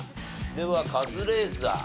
ではカズレーザー。